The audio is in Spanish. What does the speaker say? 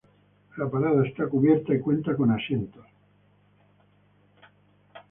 La parada está cubierta y cuenta con asientos.